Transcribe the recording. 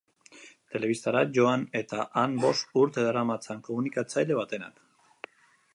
Telebistara joan eta han bost urte daramatzan komunikatzaile batenak.